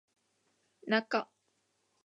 なか